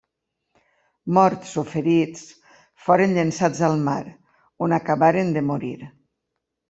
Morts o ferits, foren llençats al mar, on acabaren de morir.